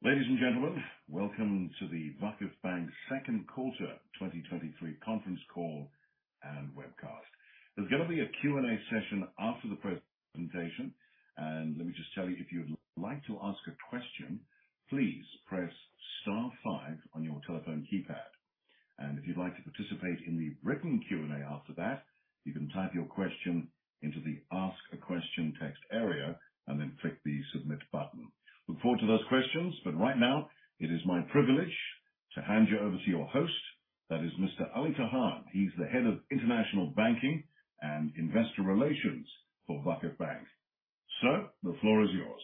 Ladies and gentlemen, welcome to the VakıfBank second quarter 2023 conference call and webcast. There's gonna be a Q&A session after the presentation. Let me just tell you, if you would like to ask a question, please press star five on your telephone keypad. If you'd like to participate in the written Q&A after that, you can type your question into the ask a question text area and then click the Submit button. Look forward to those questions, but right now it is my privilege to hand you over to your host. That is Mr. Ali Tahan. He's the head of international banking and investor relations for VakıfBank. Sir, the floor is your.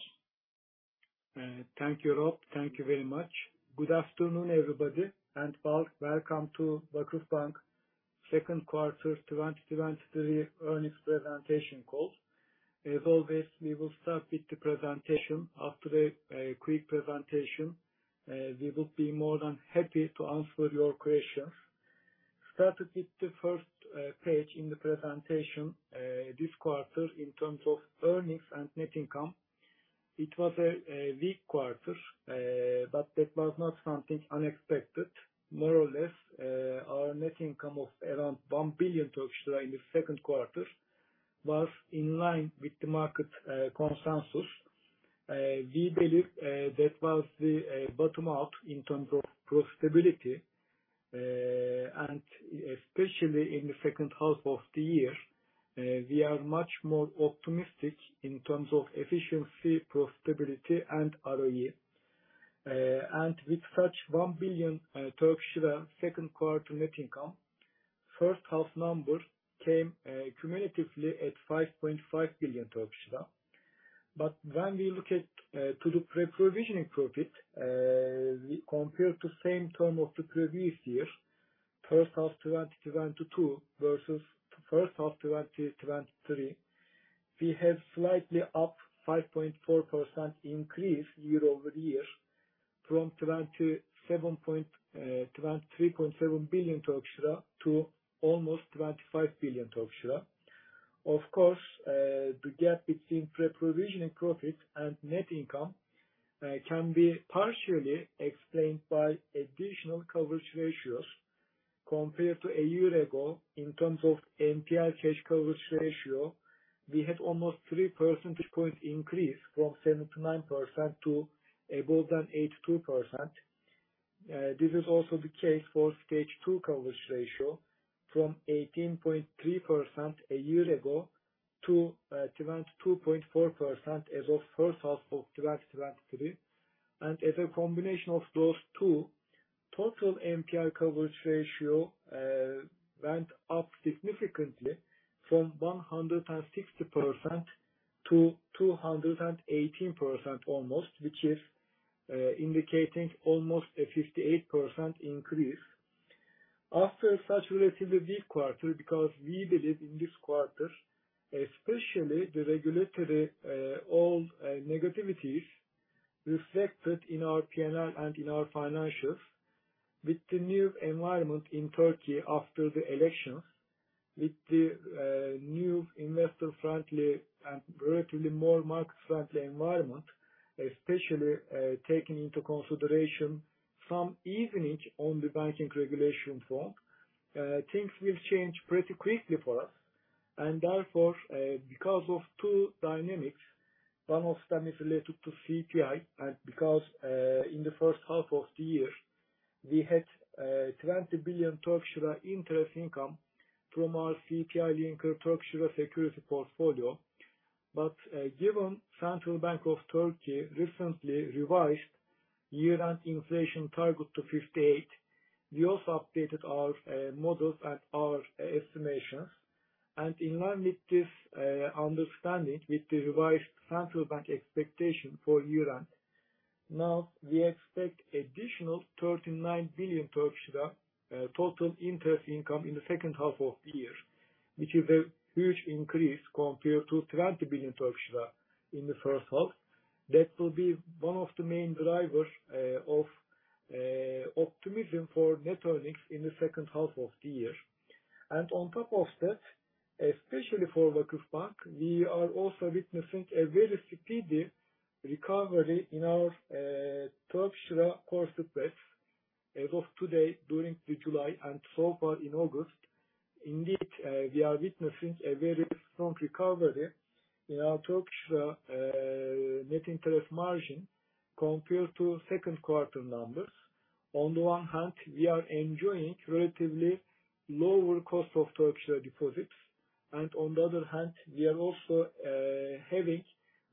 Thank you, Rob. Thank you very much. Good afternoon, everybody, and welcome to VakıfBank second quarter 2023 earnings presentation call. As always, we will start with the presentation. After a quick presentation, we will be more than happy to answer your questions. Starting with the first page in the presentation. This quarter, in terms of earnings and net income, it was a weak quarter, but that was not something unexpected. More or less, our net income of around 1 billion Turkish lira in the second quarter was in line with the market consensus. We believe that was the bottom out in terms of profitability, and especially in the second half of the year, we are much more optimistic in terms of efficiency, profitability and ROE. With such 1 billion second quarter net income, first half numbers came cumulatively at 5.5 billion Turkish lira. When we look at to the pre-provisioning profit, we compare to same term of the previous year, first half 2022 versus first half 2023, we have slightly up 5.4% increase year-over-year from 23.7 billion to almost 25 billion. Of course, the gap between pre-provisioning profit and net income can be partially explained by additional coverage ratios compared to a year ago. In terms of NPL cash coverage ratio, we had almost three percentage points increase from 79% to above than 82%. This is also the case for Stage 2 coverage ratio from 18.3% a year ago to 22.4% as of first half of 2023. As a combination of those two, total NPL coverage ratio went up significantly from 160% to almost 218%, which is indicating almost a 58% increase. After such relatively weak quarter because we believe in this quarter, especially the regulatory negativities reflected in our P&L and in our financials. With the new environment in Turkey after the elections, with the new investor friendly and relatively more market friendly environment, especially taking into consideration some easing on the banking regulation front, things will change pretty quickly for us. Therefore, because of two dynamics, one of them is related to CPI. Because in the first half of the year, we had 20 billion interest income from our CPI-linked Turkish lira security portfolio. Given Central Bank of Turkey recently revised year-end inflation target to 58%, we also updated our models and our estimations. In line with this understanding with the revised central bank expectation for year-end, now we expect additional 39 billion Turkish lira total interest income in the second half of the year, which is a huge increase compared to TRY 20 billion in the first half. That will be one of the main drivers of optimism for net earnings in the second half of the year. On top of that, especially for VakıfBank, we are also witnessing a very speedy recovery in our Turkish lira core spread. As of today, during July and so far in August, indeed, we are witnessing a very strong recovery in our Turkish lira net interest margin compared to second quarter numbers. On the one hand, we are enjoying relatively lower cost of Turkish lira deposits. On the other hand, we are also having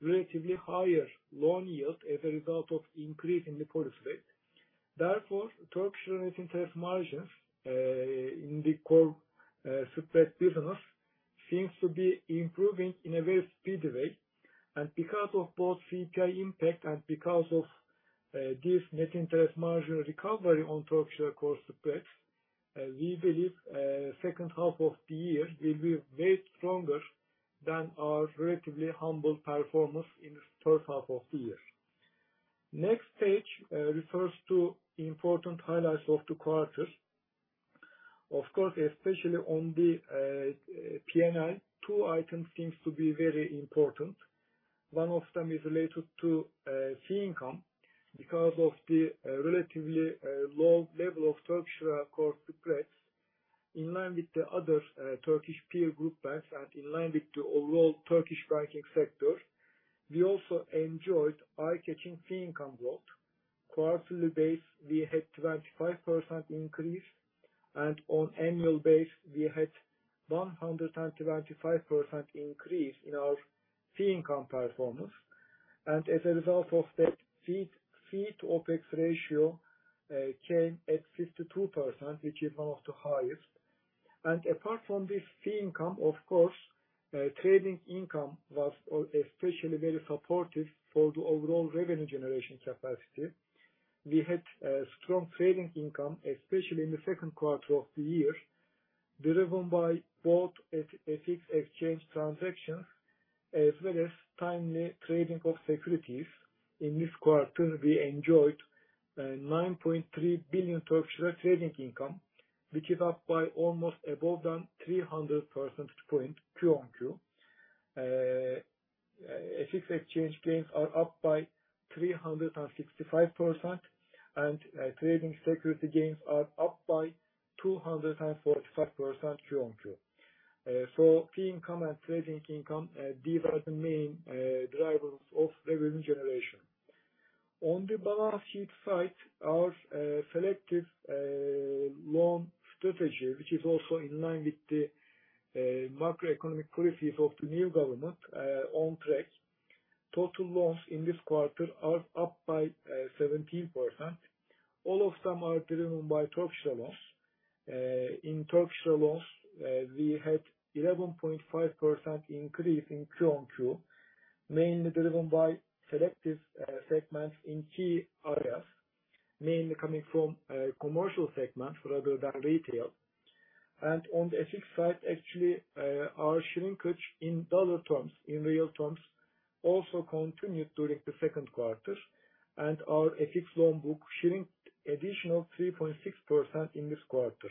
relatively higher loan yield as a result of increase in the policy rate. Therefore, Turkish lira net interest margins in the core spread business seems to be improving in a very speedy way. Because of both CPI impact and because of this net interest margin recovery on Turkish lira core spreads, we believe second half of the year will be way stronger than our relatively humble performance in the first half of the year. Next page refers to important highlights of the quarter. Of course, especially on the PNL, two items seems to be very important. One of them is related to fee income because of the relatively low level of Turkish core spreads. In line with the other Turkish peer group banks and in line with the overall Turkish banking sector, we also enjoyed eye-catching fee income growth. Quarterly basis, we had 25% increase, and on annual basis we had 125% increase in our fee income performance. As a result of that fee to OpEx ratio came at 52%, which is one of the highest. Apart from this fee income, of course, trading income was especially very supportive for the overall revenue generation capacity. We had strong trading income, especially in the second quarter of the year, driven by both e-FX exchange transactions as well as timely trading of securities. In this quarter, we enjoyed 9.3 billion trading income, which is up by almost 300% QoQ. FX exchange gains are up by 365%. Trading security gains are up by 245% QoQ. Fee income and trading income, these are the main drivers of revenue generation. On the balance sheet side, our selective loan strategy, which is also in line with the macroeconomic policies of the new government, on track. Total loans in this quarter are up by 17%. All of them are driven by Turkish loans. In Turkish loans, we had 11.5% increase QoQ, mainly driven by selective segments in key areas, mainly coming from commercial segment rather than retail. On the FX side, actually, our shrinkage in dollar terms, in real terms, also continued during the second quarter. Our FX loan book shrink additional 3.6% in this quarter.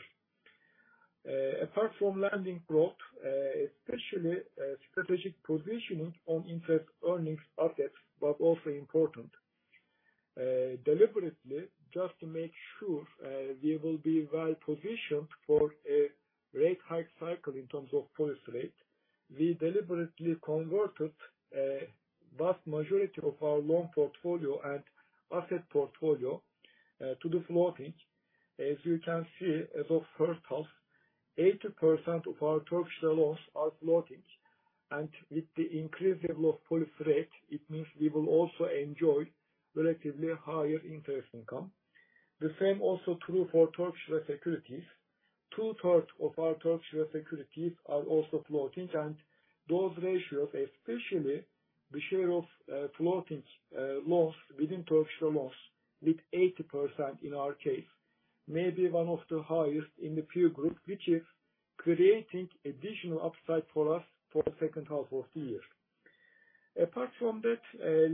Apart from lending growth, especially, strategic positioning on interest earnings assets was also important. Deliberately, just to make sure, we will be well-positioned for a rate hike cycle in terms of policy rate. We deliberately converted a vast majority of our loan portfolio and asset portfolio to the floating. As you can see, as of first half, 80% of our Turkish loans are floating. With the increase level of policy rate, it means we will also enjoy relatively higher interest income. The same also true for Turkish securities. Two-thirds of our Turkish securities are also floating. Those ratios, especially the share of floating loans within Turkish loans with 80% in our case, may be one of the highest in the peer group, which is creating additional upside for us for the second half of the year. Apart from that,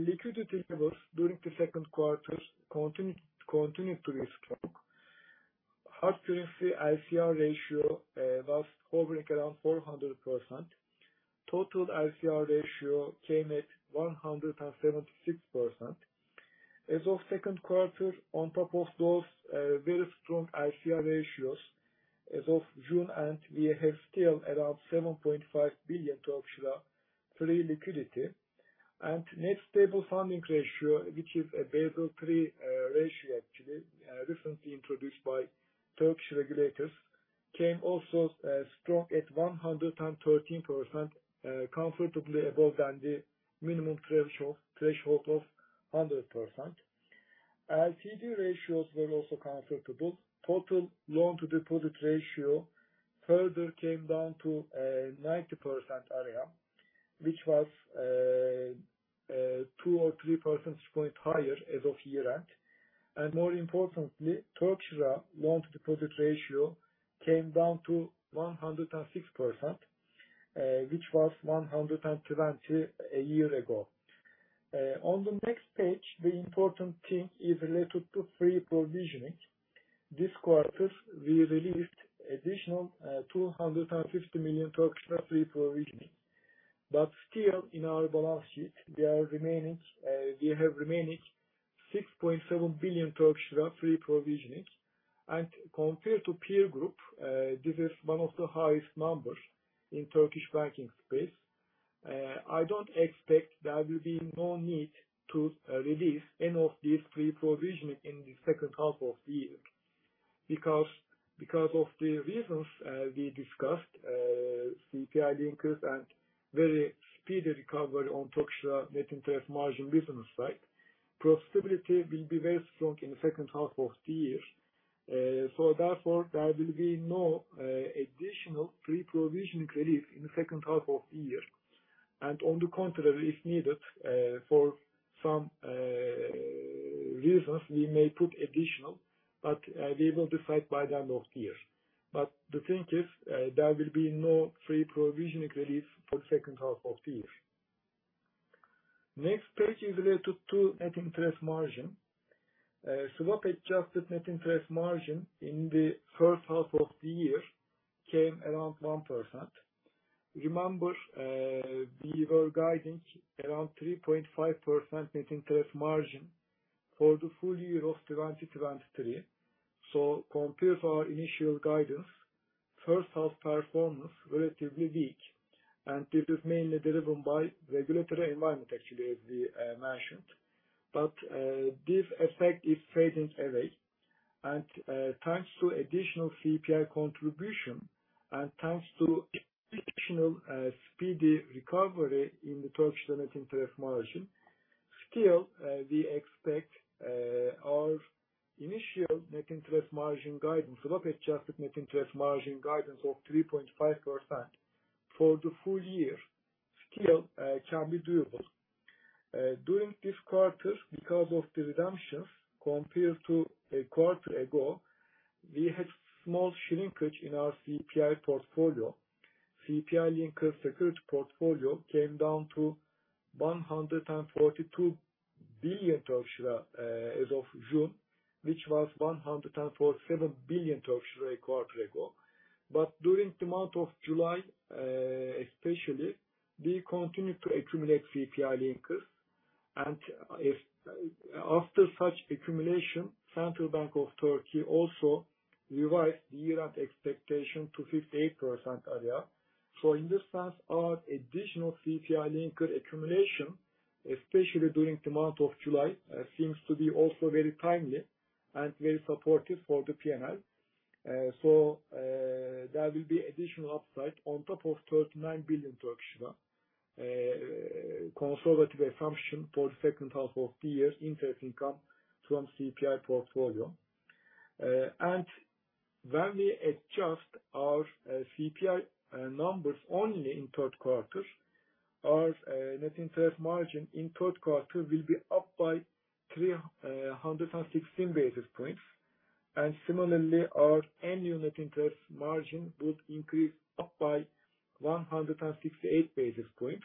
liquidity levels during the second quarter continued to be strong. Hard currency LCR ratio was hovering around 400%. Total LCR ratio came at 176%. As of second quarter, on top of those very strong LCR ratios, as of June, we have still around 7.5 billion free liquidity. Net Stable Funding Ratio, which is a Basel III ratio actually recently introduced by Turkish regulators, came also strong at 113%, comfortably above the minimum threshold of 100%. LCR ratios were also comfortable. Total loan-to-deposit ratio further came down to 90% area, which was two or three percentage points higher as of year end. More importantly, Turkish lira loan-to-deposit ratio came down to 106%, which was 120% a year ago. On the next page, the important thing is related to free provisioning. This quarter, we released additional 250 million free provisioning. But still in our balance sheet, there are remaining, we have remaining TRY 6.7 billion free provisioning. Compared to peer group, this is one of the highest numbers in Turkish banking space. I don't expect there will be no need to release any of these free provisioning in the second half of the year. Because of the reasons we discussed, CPI linkers and very speedy recovery on Turkish lira net interest margin business side, profitability will be very strong in the second half of the year. Therefore, there will be no additional free provisioning relief in the second half of the year. On the contrary, if needed, for some reasons, we may put additional, but we will decide by the end of the year. The thing is, there will be no free provisioning relief for the second half of the year. Next page is related to net interest margin. Swap adjusted net interest margin in the first half of the year came around 1%. Remember, we were guiding around 3.5% net interest margin for the full year of 2023. Compared to our initial guidance, first half performance relatively weak. This is mainly driven by regulatory environment actually, as we mentioned. This effect is fading away. Thanks to additional CPI contribution and thanks to exceptional, speedy recovery in the Turkish net interest margin, still, we expect, our initial net interest margin guidance—swap adjusted net interest margin guidance of 3.5% for the full year still, can be doable. During this quarter, because of the redemptions, compared to a quarter ago, we had small shrinkage in our CPI portfolio. CPI linked security portfolio came down to 142 billion as of June, which was 147 billion a quarter ago. During the month of July, especially, we continued to accumulate CPI linkers. If, after such accumulation, Central Bank of Turkey also revised year-end expectation to 58% area. In this sense, our additional CPI linker accumulation, especially during the month of July, seems to be also very timely and very supportive for the PNL. There will be additional upside on top of 39 billion, conservative assumption for the second half of the year interest income from CPI portfolio. When we adjust our CPI numbers only in third quarter, our net interest margin in third quarter will be up by 316 basis points. Similarly, our annual net interest margin would increase up by 168 basis points.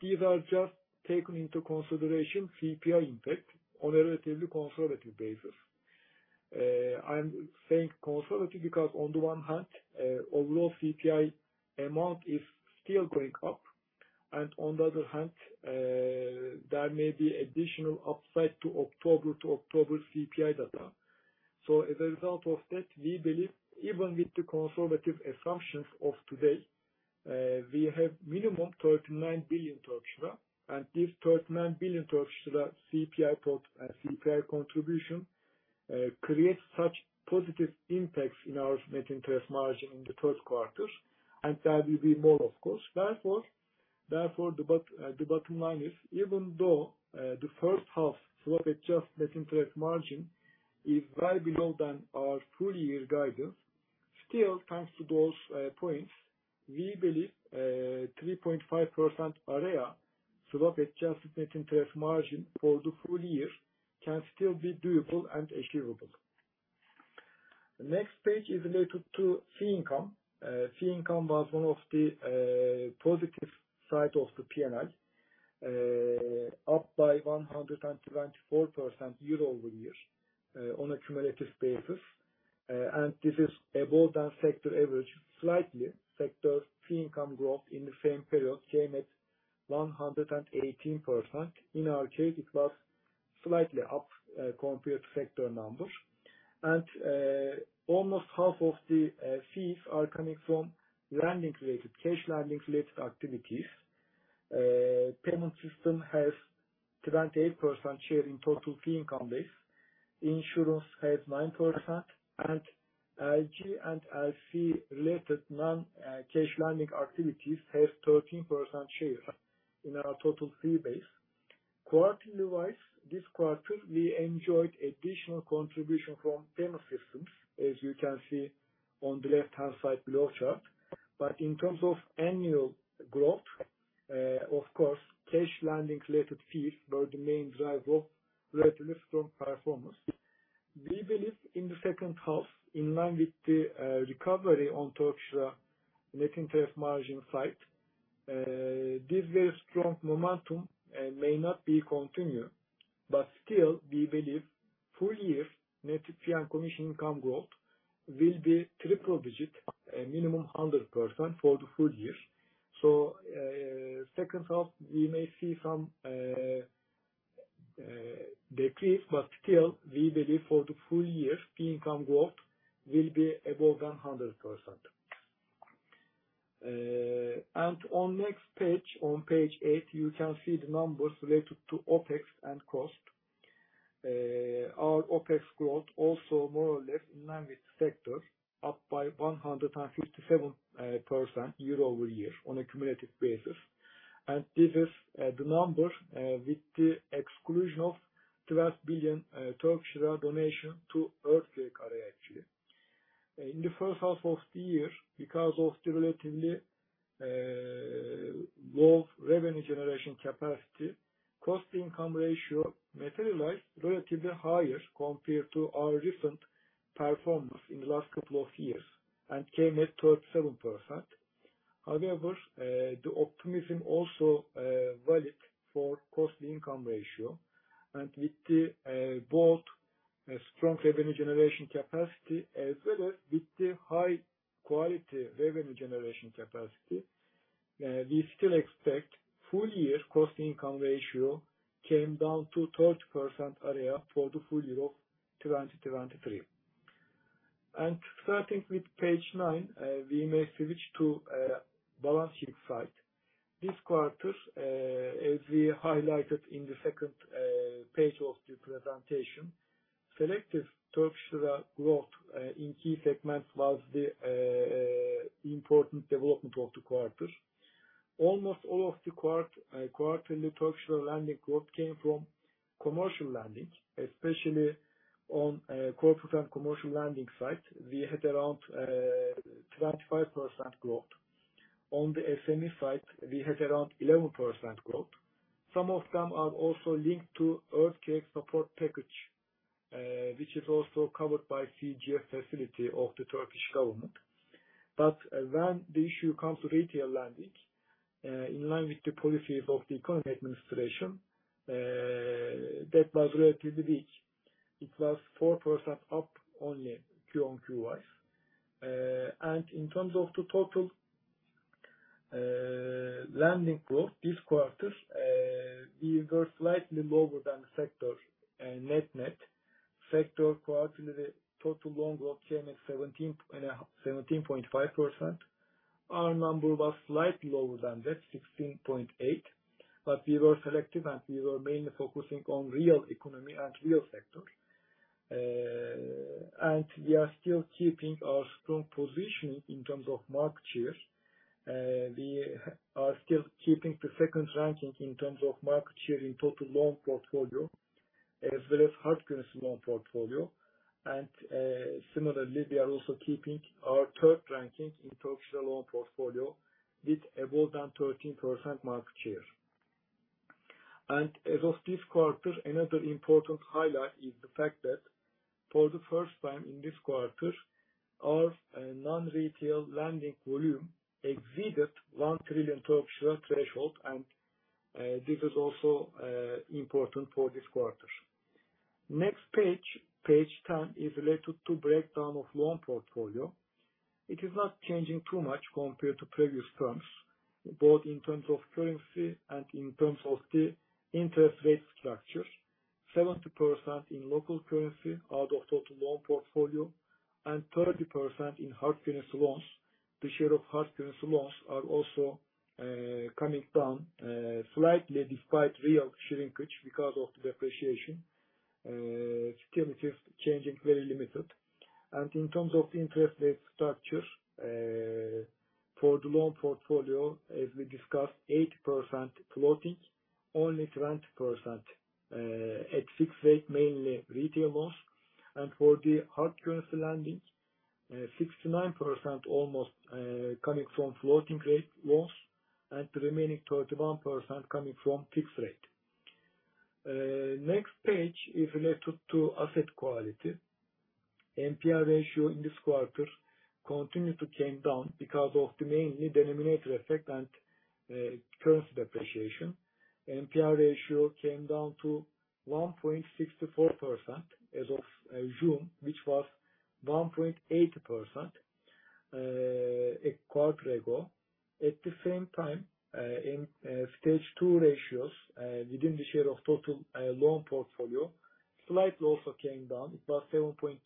These are just taking into consideration CPI impact on a relatively conservative basis. I'm saying conservative because on the one hand, overall CPI amount is still going up. On the other hand, there may be additional upside to October to October CPI data. As a result of that, we believe even with the conservative assumptions of today, we have minimum 39 billion Turkish lira. This 39 billion Turkish lira CPI contribution creates such positive impacts in our net interest margin in the third quarter. There will be more, of course. Therefore, the bottom line is, even though the first half swap adjusted net interest margin is way below than our full year guidance, still thanks to those points, we believe three point five percent area swap adjusted net interest margin for the full year can still be doable and achievable. Next page is related to fee income. Fee income was one of the positive side of the PNL. Up by 124% year-over-year on a cumulative basis. And this is above than sector average slightly. Sector fee income growth in the same period came at 118%. In our case, it was slightly up compared to sector numbers. Almost half of the fees are coming from lending-related, cash lending-related activities. Payment system has 28% share in total fee income base. Insurance has 9%. LG and LC related non-cash lending activities has 13% share in our total fee base. Quarterly-wise, this quarter we enjoyed additional contribution from payment systems, as you can see on the left-hand side flow chart. In terms of annual growth, of course, cash lending related fees were the main driver, relatively strong performance. We believe in the second half, in line with the recovery on Turkish lira net interest margin side, this very strong momentum may not be continued. Still, we believe full year net fee and commission income growth will be triple-digit, a minimum 100% for the full year. Second half, we may see some decrease, but still, we believe for the full year, fee income growth will be above 100%. On next page, on page eight, you can see the numbers related to OpEx and cost. Our OpEx growth also more or less in line with sector, up by 157% year-over-year on a cumulative basis. This is the number with the exclusion of 12 billion donation to earthquake area actually. In the first half of the year, because of the relatively low revenue generation capacity, cost income ratio materialize relatively higher compared to our recent performance in the last couple of years and came at 37%. However, the optimism also valid for cost income ratio. With the both strong revenue generation capacity as well as with the high quality revenue generation capacity, we still expect full year cost income ratio came down to 30% area for the full year of 2023. Starting with page nine, we may switch to balance sheet side. This quarter, as we highlighted in the second page of the presentation, selective Turkish lira growth in key segments was the important development of the quarter. Almost all of the quarterly Turkish lira lending growth came from commercial lending, especially on corporate and commercial lending side. We had around 25% growth. On the SME side, we had around 11% growth. Some of them are also linked to earthquake support package, which is also covered by CGF facility of the Turkish government. When the issue comes to retail lending, in line with the policies of the economy administration, that was relatively weak. It was 4% up only quarter-on-quarter wise. In terms of the total lending growth this quarter, we were slightly lower than the sector net-net. Sector quarterly total loan growth came at 17.5%. Our number was slightly lower than that, 16.8%. We were selective, and we were mainly focusing on real economy and real sector. We are still keeping our strong position in terms of market share. We are still keeping the second ranking in terms of market share in total loan portfolio, as well as hard currency loan portfolio. Similarly, we are also keeping our third ranking in Turkish lira loan portfolio with above than 13% market share. As of this quarter, another important highlight is the fact that for the first time in this quarter, our non-retail lending volume exceeded 1 trillion threshold and this is also important for this quarter. Next page 10, is related to breakdown of loan portfolio. It is not changing too much compared to previous terms, both in terms of currency and in terms of the interest rate structure. 70% in local currency out of total loan portfolio and 30% in hard currency loans. The share of hard currency loans are also coming down slightly despite real shrinkage because of the depreciation. Still it is changing very limited. In terms of interest rate structure, for the loan portfolio, as we discussed, 8% floating, only 20%, at fixed rate, mainly retail loans. For the hard currency lending, 69% almost, coming from floating rate loans and the remaining 31% coming from fixed rate. Next page is related to asset quality. NPL ratio in this quarter continued to came down because of the mainly denominator effect and, currency depreciation. NPL ratio came down to 1.64% as of June, which was 1.80%, a quarter ago. At the same time, in Stage 2 ratios, within the share of total loan portfolio, slightly also came down. It was 7.2%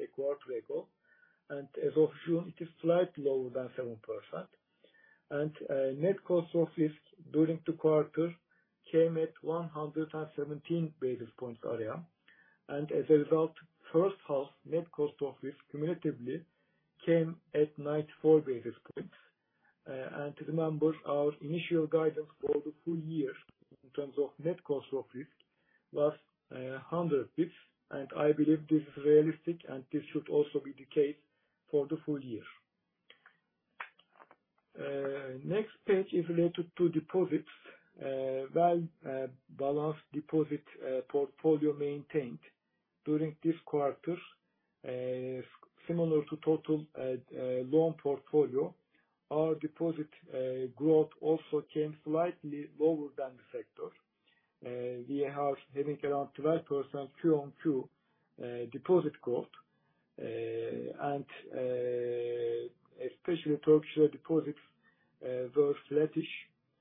a quarter ago, and as of June, it is slightly lower than 7%. Net cost of risk during the quarter came at 117 basis points area. As a result, first half net cost of risk cumulatively came at 94 basis points. Remember our initial guidance for the full year in terms of net cost of risk was 100 basis points. I believe this is realistic, and this should also be the case for the full year. Next page is related to deposits. Balance deposit portfolio maintained. During this quarter, similar to total loan portfolio, our deposit growth also came slightly lower than the sector. We are having around 12% QoQ deposit growth. Especially Turkish lira deposits were flattish.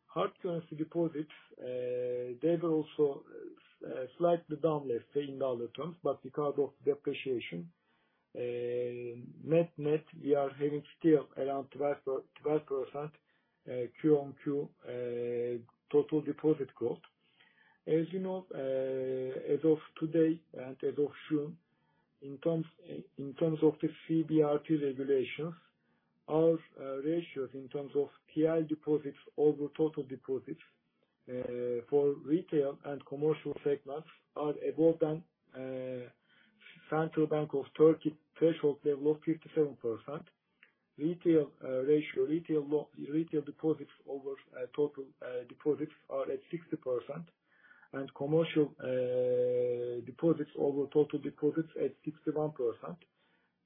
Hard currency deposits, they were also slightly down there in dollar terms. Because of depreciation, net-net, we are having still around 12% QoQ total deposit growth. As you know, as of today and as of June, in terms of the CBRT regulations, our ratios in terms of TL deposits over total deposits, for retail and commercial segments are above than Central Bank of Turkey threshold level of 57%. Retail ratio, retail deposits over total deposits are at 60% and commercial deposits over total deposits at 61%.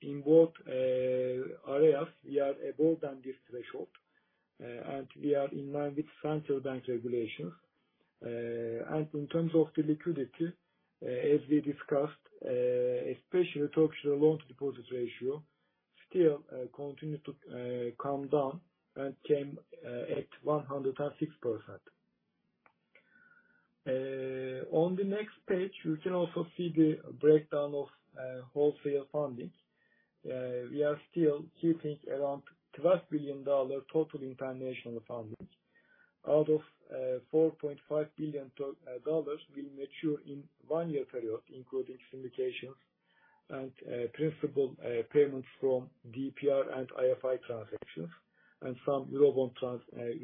In both areas, we are above than this threshold, and we are in line with Central Bank regulations. In terms of the liquidity, as we discussed, especially Turkish loan-to-deposit ratio still continues to come down and came at 106%. On the next page, you can also see the breakdown of wholesale funding. We are still keeping around $12 billion total international fundings. Out of $4.5 billion will mature in 1-year period, including syndications and principal payments from DPR and IFI transactions and some Eurobond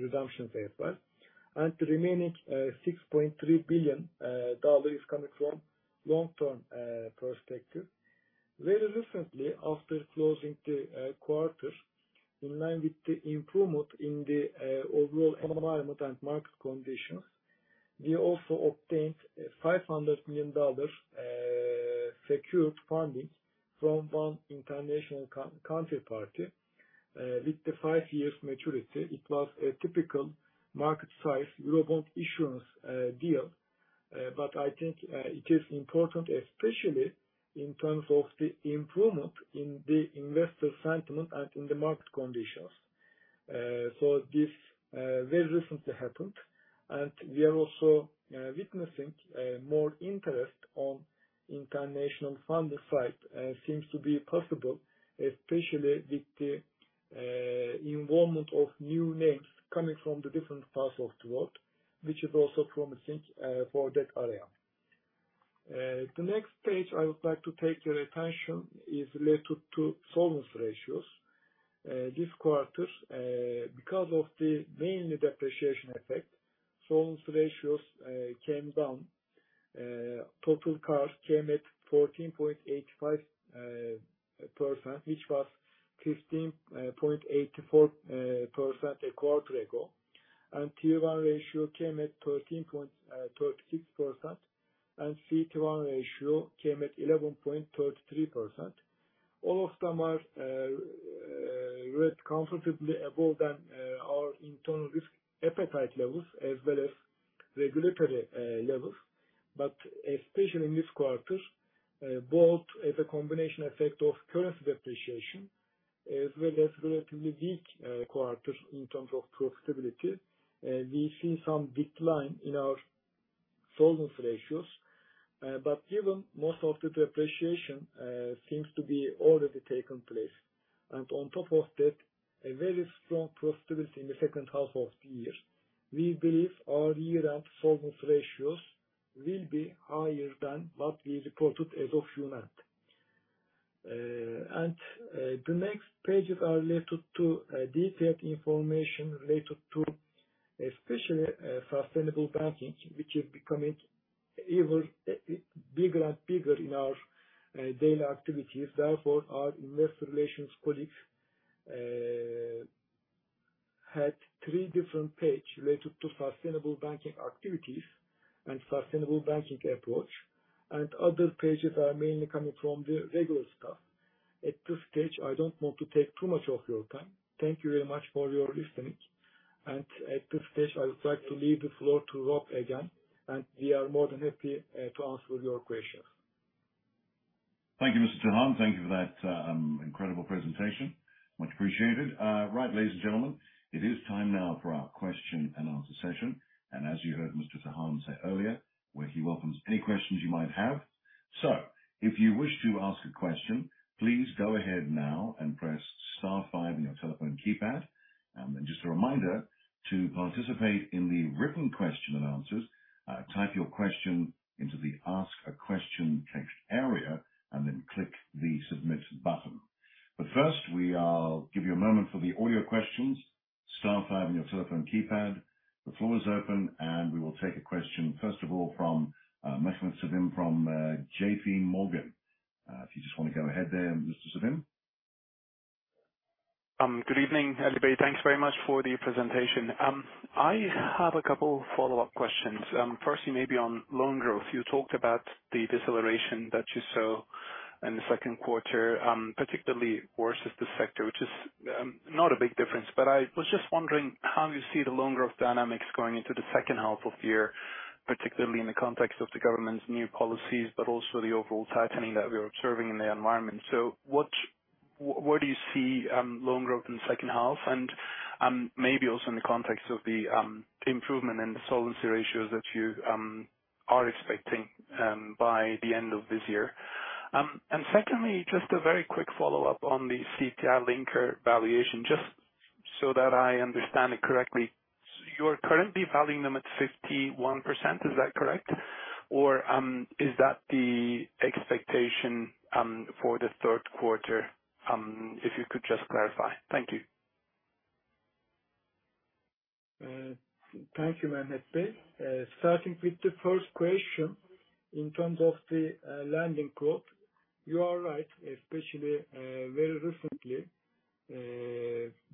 redemptions as well. The remaining $6.3 billion dollars coming from long-term perspective. Very recently, after closing the quarter, in line with the improvement in the overall environment and market conditions, we also obtained $500 million secured funding from one international counterparty. With the 5 years maturity, it was a typical market size Eurobond issuance, deal. I think it is important, especially in terms of the improvement in the investor sentiment and in the market conditions. This very recently happened, and we are also witnessing more interest on international funding side. Seems to be possible, especially with the involvement of new names coming from the different parts of the world, which is also promising for that area. The next page I would like to take your attention is related to solvency ratios. This quarter, because of the mainly depreciation effect, solvency ratios came down. Total CAR came at 14.85%, which was 15.84% a quarter ago. Tier 1 ratio came at 13.36%, and CET1 ratio came at 11.33%. All of them are well comfortably above our internal risk appetite levels as well as regulatory levels. Especially in this quarter, both as a combination effect of currency depreciation as well as relatively weak quarter in terms of profitability, we see some decline in our solvency ratios. Given most of the depreciation seems to be already taken place, and on top of that, a very strong profitability in the second half of the year, we believe our year-end solvency ratios will be higher than what we reported as of June end. The next pages are related to detailed information related to especially sustainable banking, which is becoming even bigger and bigger in our daily activities. Therefore, our investor relations colleagues had three different page related to sustainable banking activities and sustainable banking approach. Other pages are mainly coming from the regular stuff. At this stage, I don't want to take too much of your time. Thank you very much for your listening. At this stage, I would like to leave the floor to Rob again, and we are more than happy to answer your questions. Thank you, Mr. Tahan. Thank you for that, incredible presentation. Much appreciated. Right, ladies and gentlemen, it is time now for our question and answer session. As you heard Mr. Tahan say earlier, where he welcomes any questions you might have. If you wish to ask a question, please go ahead now and press star five on your telephone keypad. Just a reminder, to participate in the written question and answers, type your question into the ask a question text area and then click the Submit button. First, we give you a moment for the audio questions. Star five on your telephone keypad. The floor is open, and we will take a question first of all from Mehmet Sevim from JPMorgan. If you just wanna go ahead there, Mr. Sevim. Good evening, Ali Bey. Thanks very much for the presentation. I have a couple follow-up questions. Firstly, maybe on loan growth. You talked about the deceleration that you saw in the second quarter, particularly worse as the sector, which is, not a big difference. I was just wondering how you see the loan growth dynamics going into the second half of the year, particularly in the context of the government's new policies but also the overall tightening that we are observing in the environment. Where do you see loan growth in the second half? Maybe also in the context of the improvement in the solvency ratios that you are expecting by the end of this year. Secondly, just a very quick follow-up on the CPI linker valuation, just so that I understand it correctly. You're currently valuing them at 51%. Is that correct? Or, is that the expectation for the third quarter? If you could just clarify. Thank you. Thank you, Mehmet Bey. Starting with the first question, in terms of the lending quote, you are right, especially very recently,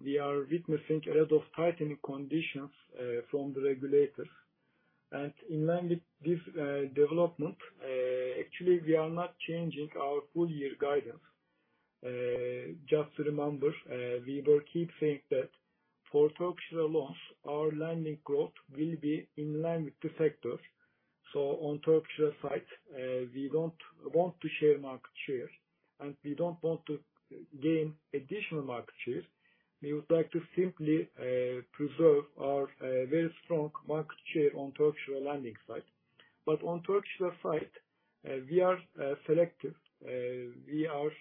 we are witnessing a lot of tightening conditions from the regulators. In line with this development, actually we are not changing our full year guidance. Just to remember, we will keep saying that for Turkish loans, our lending growth will be in line with the sectors. On Turkish side, we don't want to share market share, and we don't want to gain additional market share. We would like to simply preserve our very strong market share on Turkish lending side. On Turkish side, we are selective. We are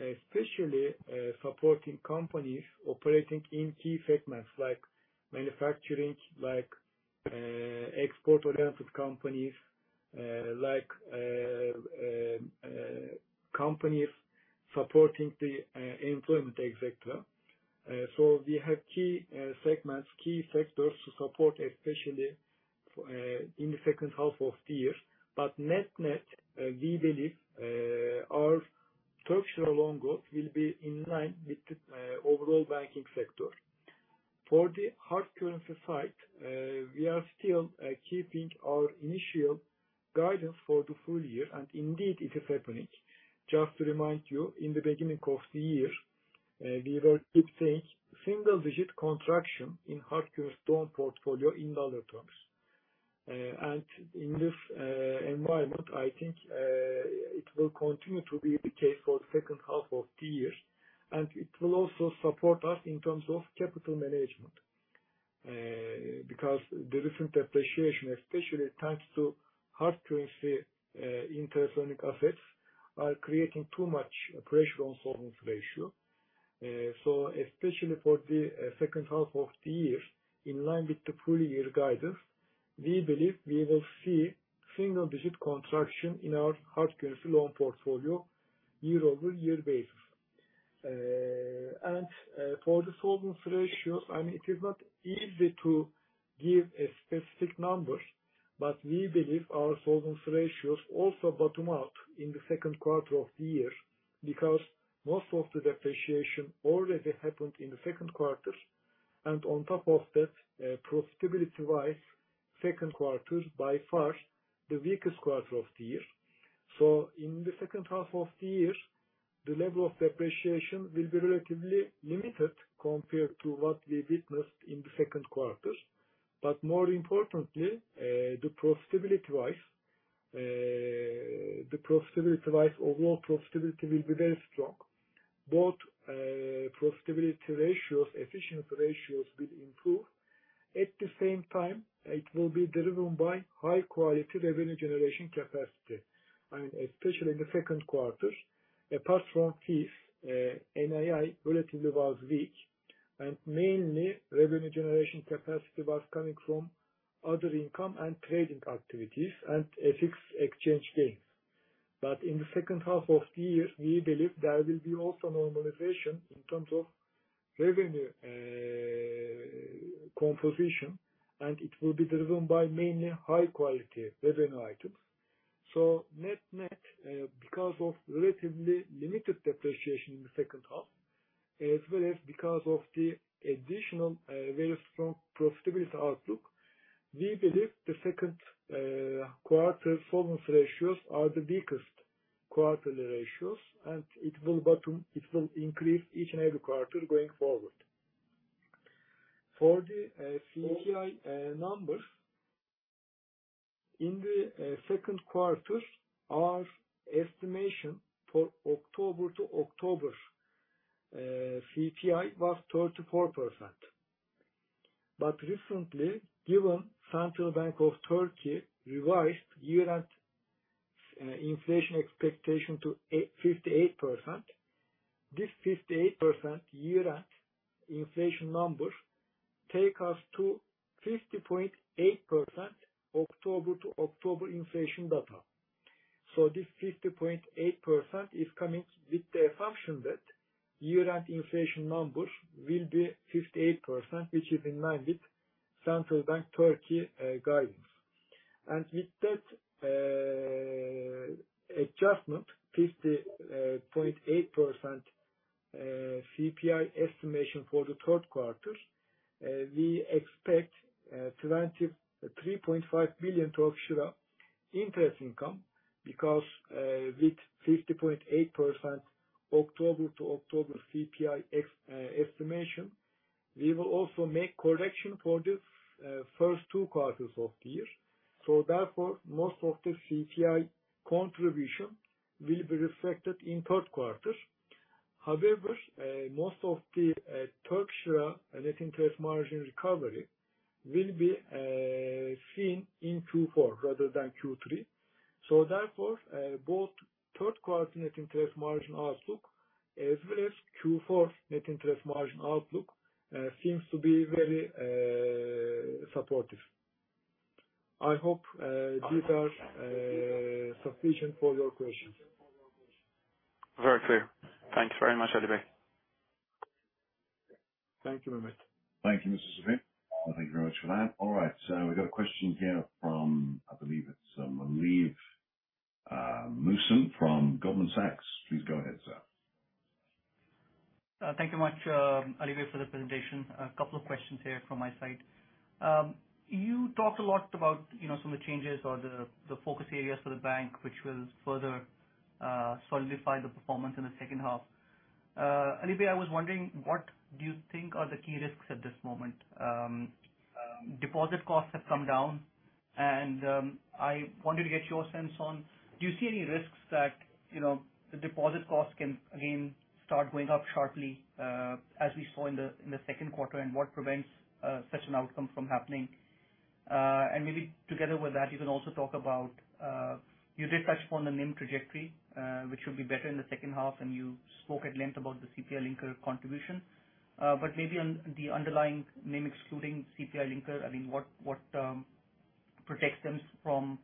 especially supporting companies operating in key segments like manufacturing, like, export-oriented companies, like, companies supporting the employment, et cetera. We have key segments, key sectors to support, especially in the second half of the year. Net-net, we believe our Turkish loan growth will be in line with the overall banking sector. For the hard currency side, we are still keeping our initial guidance for the full year, and indeed it is happening. Just to remind you, in the beginning of the year, we will keep saying single-digit contraction in hard currency loan portfolio in dollar terms. In this environment, I think it will continue to be the case for the second half of the year, and it will also support us in terms of capital management. Because the different depreciation, especially thanks to hard currency interest income effects, are creating too much pressure on performance ratio. Especially for the second half of the year, in line with the full year guidance, we believe we will see single digit contraction in our hard currency loan portfolio year-over-year basis. For the performance ratio, I mean, it is not easy to give a specific number, but we believe our performance ratios also bottom out in the second quarter of the year because most of the depreciation already happened in the second quarter. On top of that, profitability-wise, second quarter is by far the weakest quarter of the year. In the second half of the year, the level of depreciation will be relatively limited compared to what we witnessed in the second quarter. More importantly, profitability-wise, overall profitability will be very strong. Both profitability ratios, efficiency ratios will improve. At the same time, it will be driven by high quality revenue generation capacity, and especially in the second quarter, apart from fees, NII relatively was weak, and mainly revenue generation capacity was coming from other income and trading activities and FX exchange gains. In the second half of the year, we believe there will be also normalization in terms of revenue composition, and it will be driven by mainly high quality revenue items. Net-net, because of relatively limited depreciation in the second half, as well as because of the additional, very strong profitability outlook, we believe the second quarter performance ratios are the weakest quarterly ratios, and it will increase each and every quarter going forward. For the CPI numbers, in the second quarter, our estimation for October to October CPI was 34%. Recently, given Central Bank of Turkey revised year-end inflation expectation to 58%, this 58% year-end inflation number take us to 50.8% October to October inflation data. This 50.8% is coming with the assumption that year-end inflation numbers will be 58%, which is in line with Central Bank Turkey guidance. With that adjustment, 50.8% CPI estimation for the third quarter, we expect 23.5 billion interest income because with 50.8% October to October CPI estimation, we will also make correction for the first two quarters of the year. Most of the CPI contribution will be reflected in third quarter. However, most of the Turkish net interest margin recovery will be seen in Q4 rather than Q3. Both third quarter net interest margin outlook as well as Q4 net interest margin outlook seems to be very supportive. I hope these are sufficient for your questions. Very clear. Thanks very much, Ali Bey. Thank you, Mehmet. Thank you, Mr. Sevim. Thank you very much for that. All right, we've got a question here from, I believe it's, Haluk Musun from Goldman Sachs. Please go ahead, sir. Thank you much, Ali Bey, for the presentation. A couple of questions here from my side. You talked a lot about, you know, some of the changes or the focus areas for the bank, which will further solidify the performance in the second half. Ali Bey, I was wondering what do you think are the key risks at this moment? Deposit costs have come down and I wanted to get your sense on do you see any risks that, you know, the deposit costs can again start going up sharply, as we saw in the second quarter? What prevents such an outcome from happening? Maybe together with that, you can also talk about, you did touch upon the NIM trajectory, which should be better in the second half, and you spoke at length about the CPI linker contribution. Maybe on the underlying NIM excluding CPI linker, I mean, what protects them from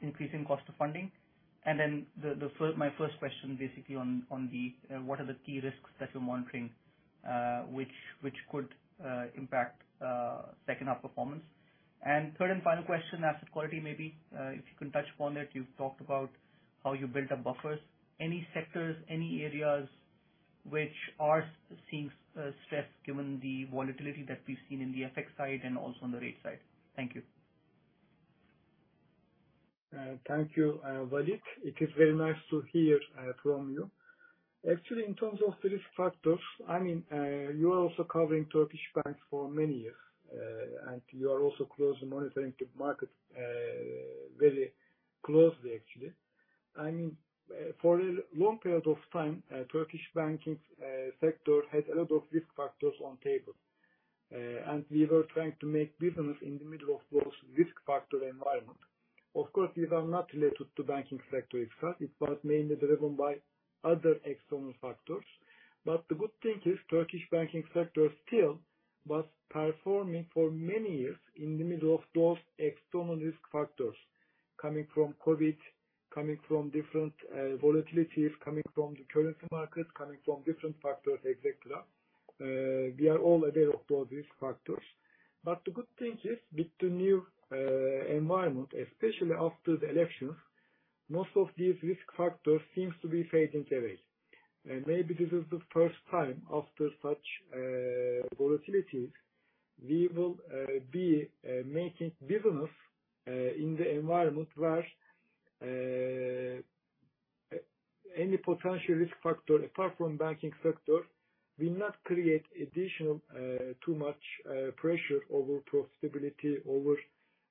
increasing cost of funding? My first question basically on what are the key risks that you're monitoring, which could impact second half performance? Third and final question, asset quality maybe, if you can touch upon it. You've talked about how you built up buffers. Any sectors, any areas which are seeing stress given the volatility that we've seen in the FX side and also on the rate side? Thank you. Thank you, Haluk Kucukertan. It is very nice to hear from you. Actually, in terms of risk factors, I mean, you are also covering Turkish banks for many years. And you are also closely monitoring the market very closely actually. I mean, for a long period of time, Turkish banking sector had a lot of risk factors on table. And we were trying to make business in the middle of those risk factor environment. Of course, these are not related to banking sector itself. It was mainly driven by other external factors. The good thing is Turkish banking sector still was performing for many years in the middle of those external risk factors coming from COVID, coming from different volatilities, coming from the currency market, coming from different factors, et cetera. We are all aware of those risk factors. The good thing is with the new environment, especially after the elections, most of these risk factors seems to be fading away. Maybe this is the first time after such volatilities we will be making business in the environment where any potential risk factor apart from banking sector will not create additional too much pressure over profitability, over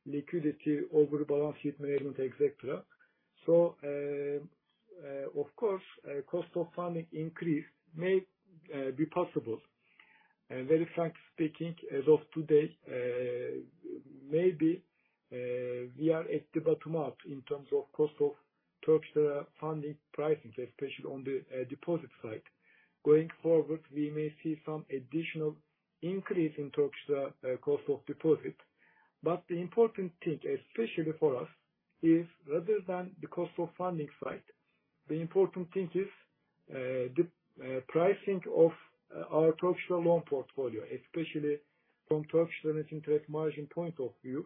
liquidity, over balance sheet management, et cetera. Of course, cost of funding increase may be possible. Very frankly speaking, as of today, maybe we are at the bottom up in terms of cost of Turkish Lira funding pricing, especially on the deposit side. Going forward, we may see some additional increase in Turkish Lira cost of deposit. The important thing, especially for us, is rather than the cost of funding side, the important thing is the pricing of our Turkish lira loan portfolio, especially from Turkish lira net interest margin point of view.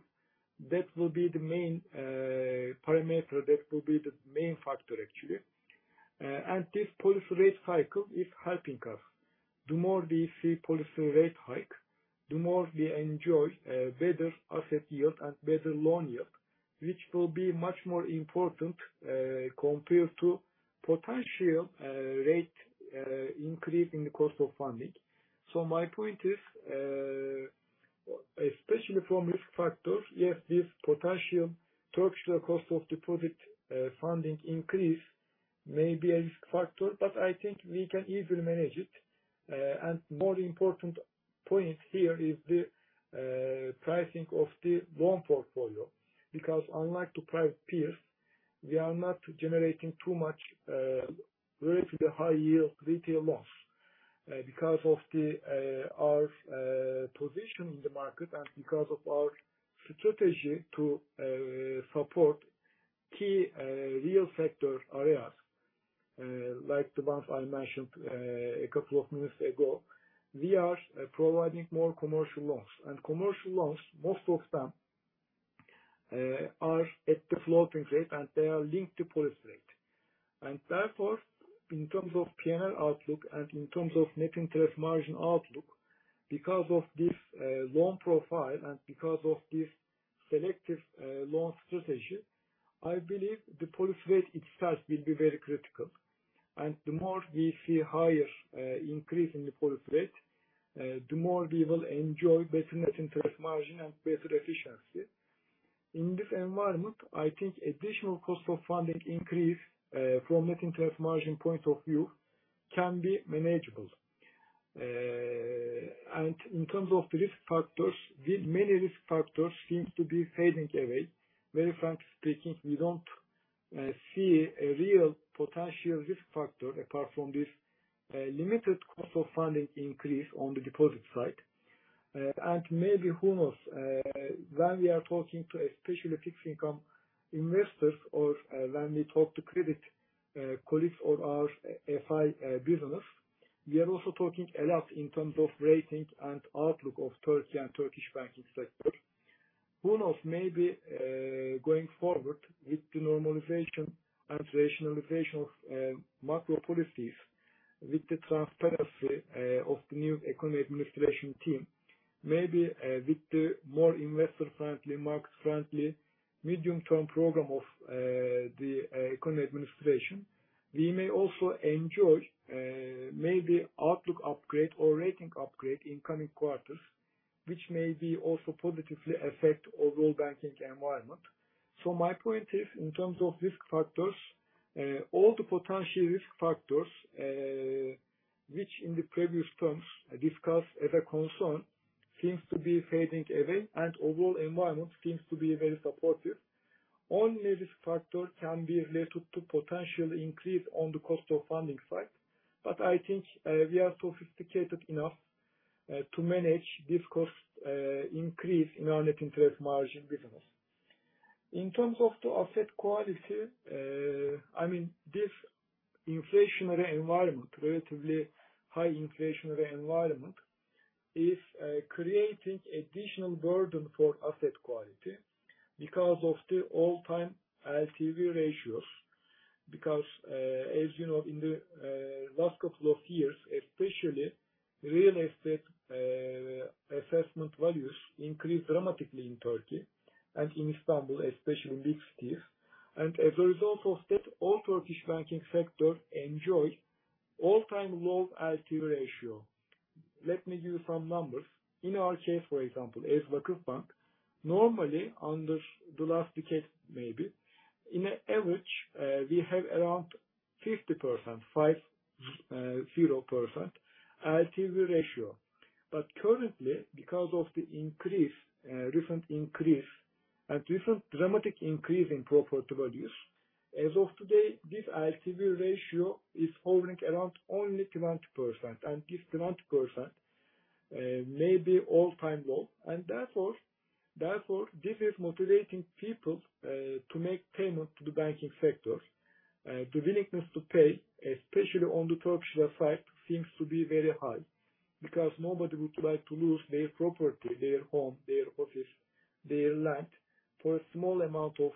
That will be the main parameter. That will be the main factor actually. This policy rate cycle is helping us. The more we see policy rate hike, the more we enjoy better asset yield and better loan yield, which will be much more important compared to potential rate increase in the cost of funding. My point is, especially from risk factors, yes, this potential Turkish lira cost of deposit funding increase may be a risk factor, but I think we can easily manage it. More important point here is the pricing of the loan portfolio. Because, unlike private peers, we are not generating too much very high yield retail loans because of our position in the market and because of our strategy to support key real sector areas. Like the ones I mentioned a couple of minutes ago. We are providing more commercial loans. Commercial loans, most of them, are at the floating rate, and they are linked to policy rate. Therefore, in terms of P&L outlook and in terms of net interest margin outlook, because of this loan profile and because of this selective loan strategy, I believe the policy rate itself will be very critical. The more we see higher increase in the policy rate, the more we will enjoy better net interest margin and better efficiency. In this environment, I think additional cost of funding increase from net interest margin point of view can be manageable. In terms of risk factors, the many risk factors seems to be fading away. Very frankly speaking, we don't see a real potential risk factor apart from this limited cost of funding increase on the deposit side. Maybe who knows, when we are talking to especially fixed income investors or when we talk to credit colleagues or our FI business, we are also talking a lot in terms of rating and outlook of Turkey and Turkish banking sector. Who knows, maybe going forward with the normalization and rationalization of macro policies with the transparency of the new economy administration team. Maybe, with the more investor friendly, market friendly medium-term program of the current administration, we may also enjoy maybe outlook upgrade or rating upgrade in coming quarters, which may be also positively affect overall banking environment. My point is, in terms of risk factors, all the potential risk factors, which in the previous terms I discussed as a concern, seems to be fading away and overall environment seems to be very supportive. Only risk factor can be related to potential increase on the cost of funding side. But I think, we are sophisticated enough to manage this cost increase in our net interest margin business. In terms of the asset quality, I mean, this inflationary environment, relatively high inflationary environment, is creating additional burden for asset quality because of the all-time LTV ratios. As you know, in the last couple of years, especially real estate assessment values increased dramatically in Turkey and in Istanbul especially big cities. As a result of that, all Turkish banking sector enjoy all time low LTV ratio. Let me give you some numbers. In our case, for example, as VakıfBank, normally under the last decade maybe, in average, we have around 50% LTV ratio. Currently, because of the increase, recent increase and recent dramatic increase in property values, as of today this LTV ratio is holding around only 20%. This 20% may be all time low. Therefore, this is motivating people to make payment to the banking sector. The willingness to pay, especially on the Turkish side, seems to be very high because nobody would like to lose their property, their home, their office, their land for a small amount of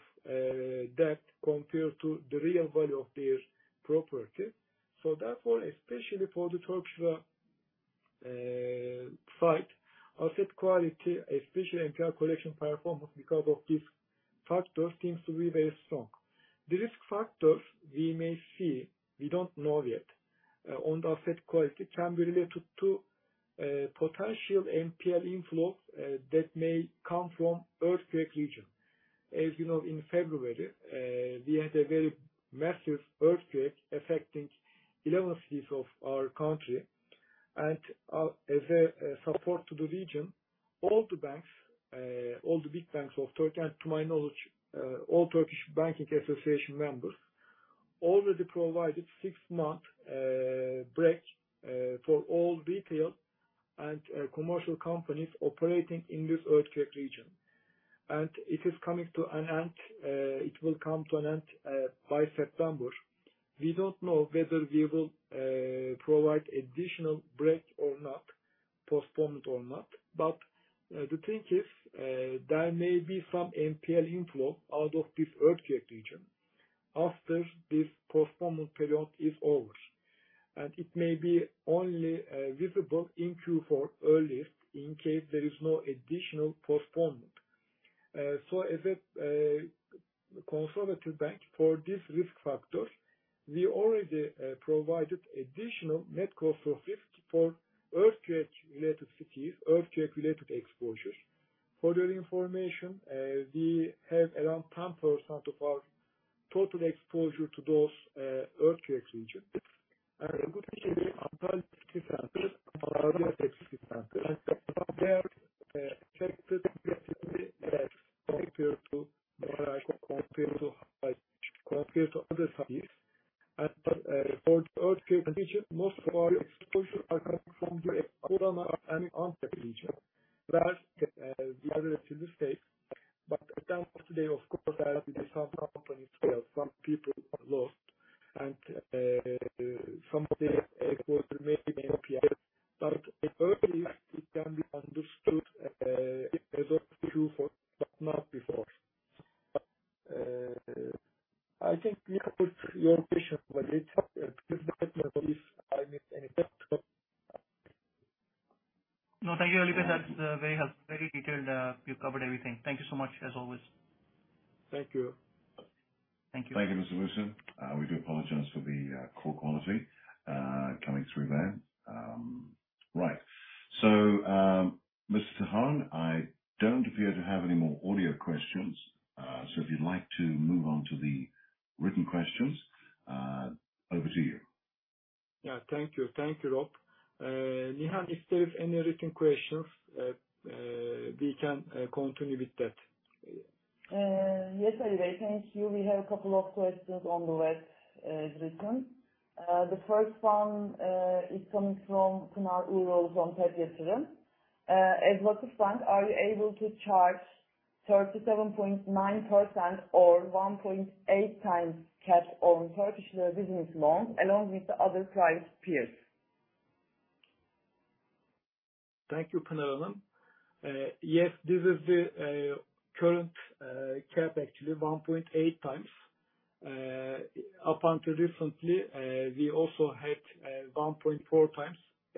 debt compared to the real value of their property. Therefore, especially for the Turkish side, asset quality especially NPL collection performance because of this factor seems to be very strong. The risk factors we may see, we don't know yet, on the asset quality can be related to potential NPL inflows that may come from earthquake region. As you know, in February, we had a very massive earthquake affecting 11 cities of our country. Our, as a support to the region, all the banks, all the big banks of Turkey, and to my knowledge, all The Banks Association of Turkey members already provided six-month break for all retail and commercial companies operating in this earthquake region. It is coming to an end. It will come to an end by September. We don't know whether we will provide additional break or not, postponement or not. But the thing is, there may be some NPL inflow out of this earthquake region after this postponement period is over. It may be only visible in Q4 earliest in case there is no additional postponement. So as a conservative bank for this risk factor, we already provided additional net cost of risk for earthquake related cities, earthquake related exposures. For your information, we have around 10% of our total exposure to those earthquake region. For the earthquake region, most of our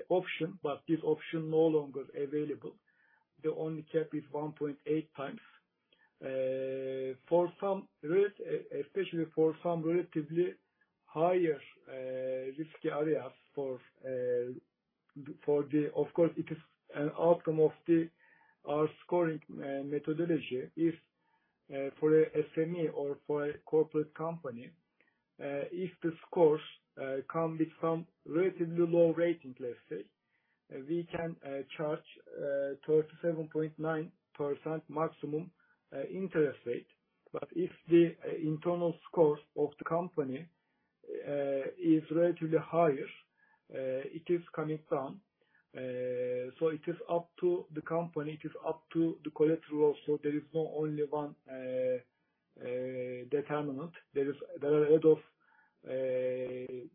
option, but this option no longer available. The only cap is 1.8x. For some rate, especially for some relatively higher risky areas for the. Of course, it is an outcome of our scoring methodology. For a SME or for a corporate company, if the scores come with some relatively low rating, let's say, we can charge 37.9% maximum interest rate. But if the internal scores of the company is relatively higher, it is coming down. So it is up to the company. It is up to the collateral. So there is no only one determinant. There is a lot of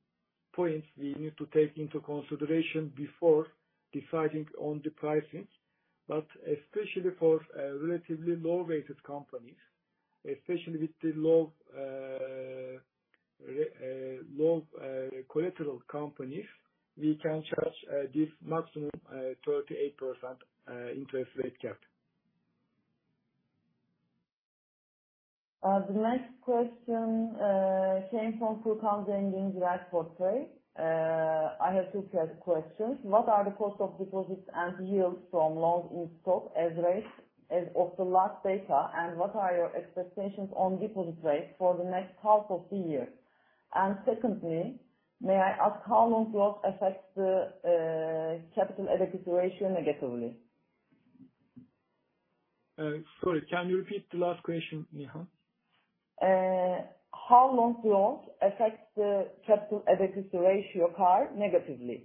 points we need to take into consideration before deciding on the pricing. Especially for relatively low-rated companies, especially with the low collateral companies, we can charge this maximum 38% interest rate cap. The next question came from Furkan Zeytin from Ziraat Portföy. I have two straight questions. What are the costs of deposits and yields on loans, interest rates, as of the latest data? What are your expectations on deposit rates for the next half of the year? Secondly, may I ask how loan growth affects the capital adequacy ratio negatively? Sorry, can you repeat the last question, Nihan? How loan growth affects the capital adequacy ratio CAR negatively?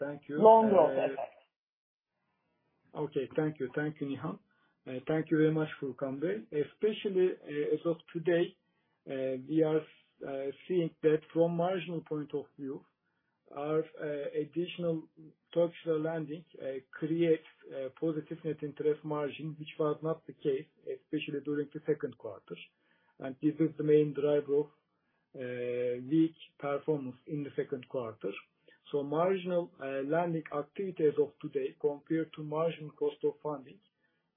Thank you. Loan growth effect. Okay. Thank you. Thank you, Nihan. Thank you very much, Furkan Bey. Especially, as of today, we are seeing that from marginal point of view, our additional Turkish lira lending creates a positive net interest margin, which was not the case, especially during the second quarter. This is the main driver of weak performance in the second quarter. Marginal lending activity as of today compared to marginal cost of funding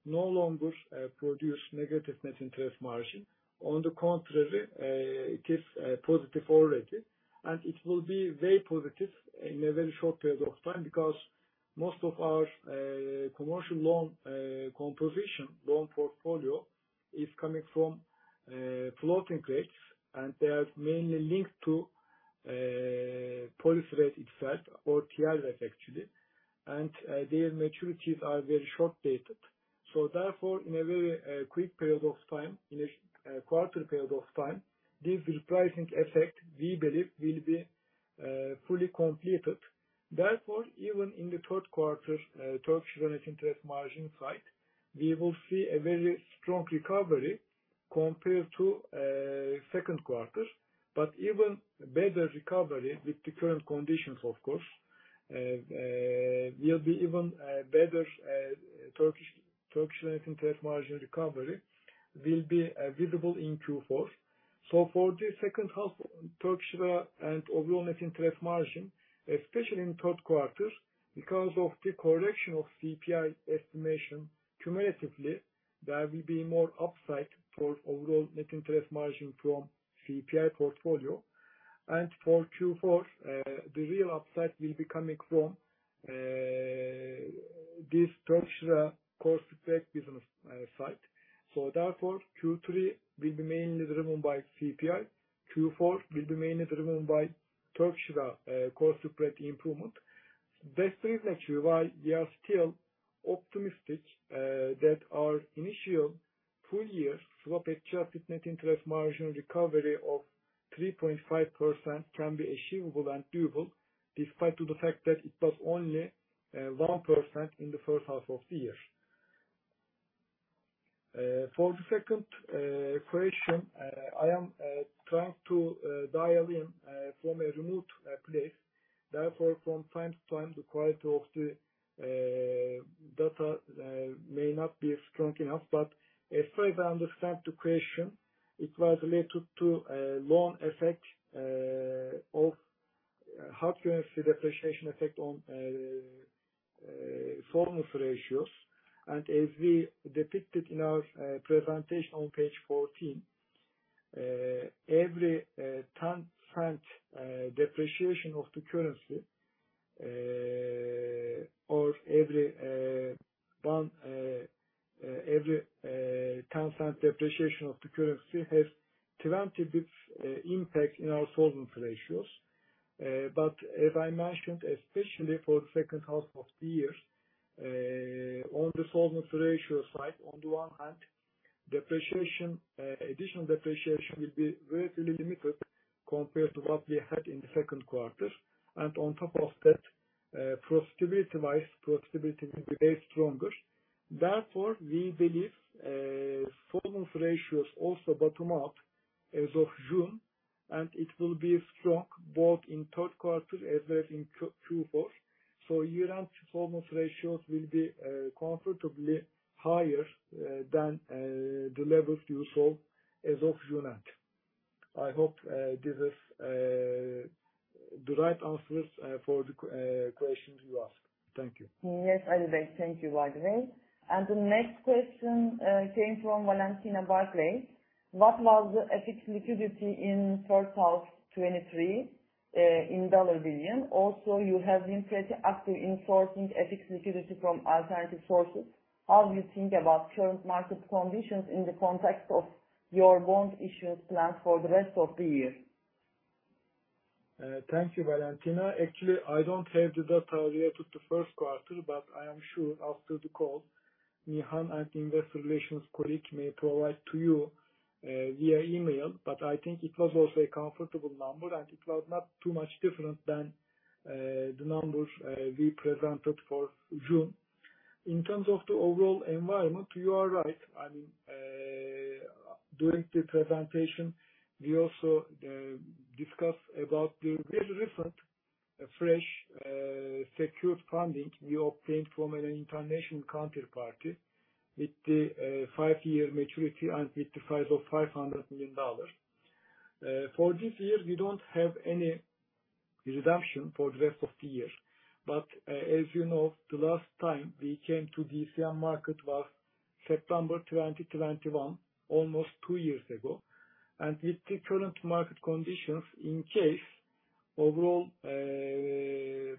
no longer produce negative net interest margin. On the contrary, it is positive already, and it will be very positive in a very short period of time because most of our commercial loan composition, loan portfolio is coming from floating rates, and they are mainly linked to policy rate itself or TLREF actually. Their maturities are very short-dated. In a very quick period of time, in a quarter period of time, this repricing effect, we believe, will be fully completed. Even in the third quarter, Turkish lira net interest margin side, we will see a very strong recovery compared to second quarter, but even better recovery with the current conditions, of course, will be even better Turkish lira net interest margin recovery will be visible in Q4. For the second half Turkish lira and overall net interest margin, especially in third quarter, because of the correction of CPI estimation cumulatively, there will be more upside for overall net interest margin from CPI portfolio. For Q4, the real upside will be coming from this Turkish lira cost of funds business side. Q3 will be mainly driven by CPI. Q4 will be mainly driven by Turkish lira cost spread improvement. This is actually why we are still optimistic that our initial full year swap adjusted net interest margin recovery of 3.5% can be achievable and doable, despite to the fact that it was only 1% in the first half of the year. For the second question, I am trying to dial in from a remote place. Therefore from time to time, the quality of the data may not be strong enough. As far as I understand the question, it was related to loan effect of how currency depreciation effect on solvency ratios. As we depicted in our presentation on page 14, every 10 cent depreciation of the currency has 20 basis points impact in our solvency ratios. As I mentioned, especially for second half of the year, on the solvency ratio side, on the one hand, additional depreciation will be relatively limited compared to what we had in the second quarter. On top of that, profitability wise, profitability will be very stronger. Therefore, we believe, solvency ratios also bottom out as of June, and it will be strong both in third quarter as well in Q4. Year-end solvency ratios will be comfortably higher than the levels we saw as of June end. I hope this is the right answers for the questions you asked. Thank you. Yes, Ali. Thank you, Ali. The next question came from Valentina Barclay. "What was the FX liquidity in third quarter 2023 in $ billion? Also, you have been pretty active in sourcing FX liquidity from alternative sources. How you think about current market conditions in the context of your bond issuance plans for the rest of the year? Thank you, Valentina. Actually, I don't have the data related to first quarter, but I am sure after the call, Nihan and investor relations colleague may provide to you via email. I think it was also a comfortable number, and it was not too much different than the numbers we presented for June. In terms of the overall environment, you are right. I mean, during the presentation, we also discuss about the very recent fresh secured funding we obtained from an international counterparty with the five-year maturity and with the size of $500 million. For this year, we don't have any redemption for the rest of the year. As you know, the last time we came to DCM market was September 2021, almost two years ago. With the current market conditions, in case overall,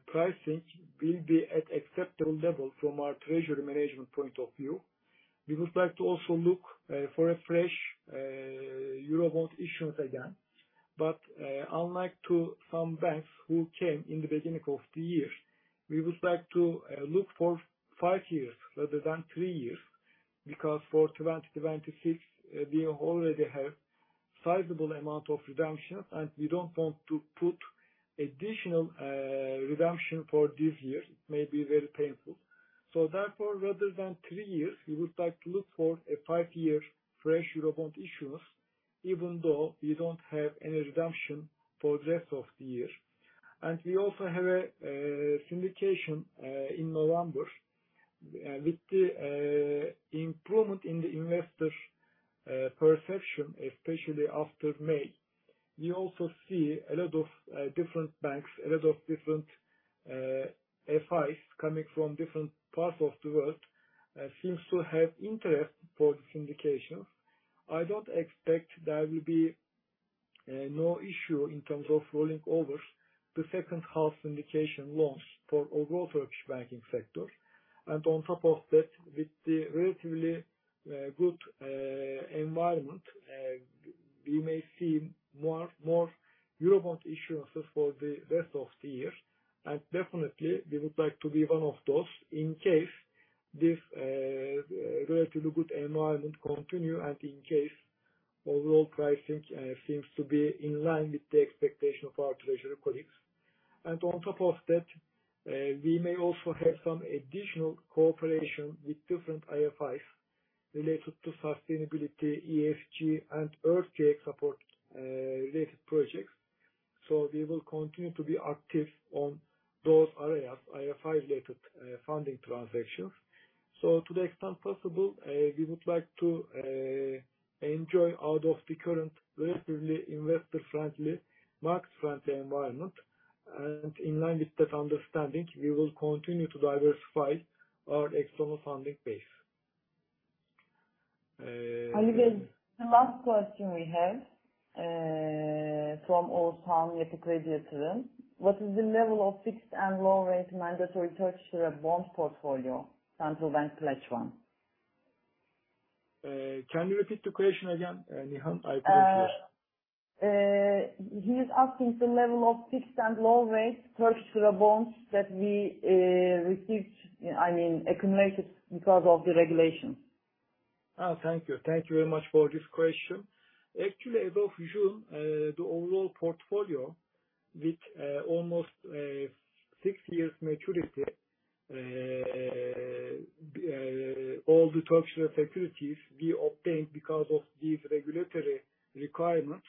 pricing will be at acceptable level from our treasury management point of view, we would like to also look for a fresh Eurobond issuance again. Unlike to some banks who came in the beginning of the year, we would like to look for five years rather than three years, because for 2026, we already have sizable amount of redemptions, and we don't want to put additional redemption for this year. It may be very painful. Therefore, rather than three years, we would like to look for a five-year fresh Eurobond issuance, even though we don't have any redemption for the rest of the year. We also have a syndication in November. With the improvement in the investor perception, especially after May, we also see a lot of different banks, a lot of different FIs coming from different parts of the world, seems to have interest for this syndication. I don't expect there will be no issue in terms of rolling over the second half syndication loans for overall Turkish banking sector. On top of that, with the relatively good environment, we may see more Eurobond issuances for the rest of the year. Definitely we would like to be one of those in case this relatively good environment continue and in case overall pricing seems to be in line with the expectation of our treasury colleagues. On top of that, we may also have some additional cooperation with different IFIs related to sustainability, ESG and earthquake support, related projects. We will continue to be active on those areas, IFI related, funding transactions. To the extent possible, we would like to enjoy out of the current relatively investor-friendly, market-friendly environment. In line with that understanding, we will continue to diversify our external funding base. Ali, the last question we have from Osman at Crédit Agricole. "What is the level of fixed and low-rate mandatory Turkish lira bond portfolio central bank pledge fund? Can you repeat the question again, Nihan? I apologize. He's asking the level of fixed and floating rate Turkish lira bonds that we received, I mean, accumulated because of the regulation. Oh, thank you. Thank you very much for this question. Actually, as of June, the overall portfolio with almost six years maturity all the Turkish lira securities we obtained because of these regulatory requirements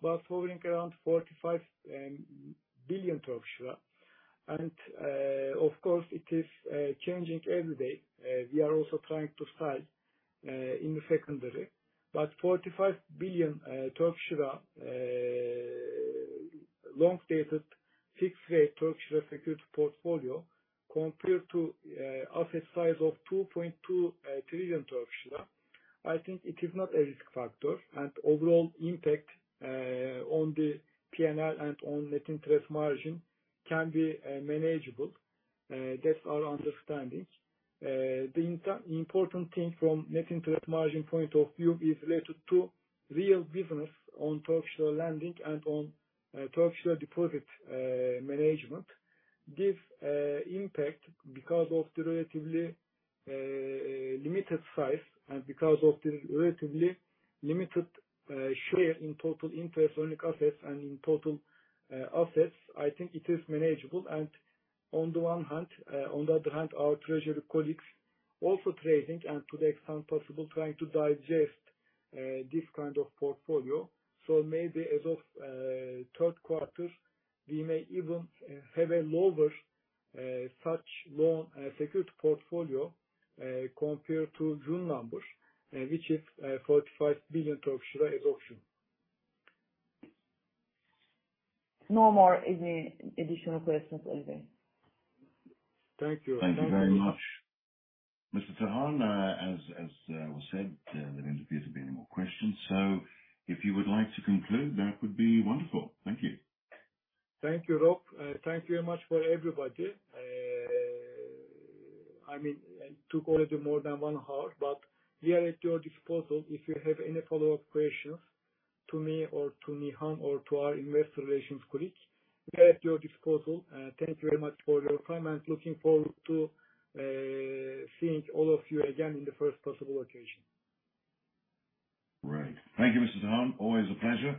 was hovering around 45 billion. Of course, it is changing every day. We are also trying to sell in the secondary. 45 billion long-dated fixed rate Turkish lira security portfolio compared to asset size of 2.2 trillion Turkish lira, I think it is not a risk factor. Overall impact on the PNL and on net interest margin can be manageable. That's our understanding. The most important thing from net interest margin point of view is related to real business on Turkish lira lending and on Turkish lira deposit management. This impact, because of the relatively limited size and because of the relatively limited share in total interest earning assets and in total assets, I think it is manageable. On the one hand, on the other hand, our treasury colleagues also trading and to the extent possible trying to digest this kind of portfolio. Maybe as of third quarter, we may even have a lower such loan security portfolio compared to June numbers, which is 45 billion as open. No more any additional questions, Ali. Thank you. Thank you very much. Mr. Tahan, as was said, there doesn't appear to be any more questions. If you would like to conclude, that would be wonderful. Thank you. Thank you, Rob. Thank you very much for everybody. I mean, it took already more than one hour, but we are at your disposal if you have any follow-up questions to me or to Nihan or to our investor relations colleague. We are at your disposal. Thank you very much for your time and looking forward to seeing all of you again in the first possible occasion. Great. Thank you, Mr. Tahan. Always a pleasure.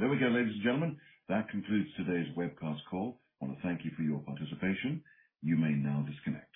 There we go, ladies and gentlemen. That concludes today's webcast call. I wanna thank you for your participation. You may now disconnect.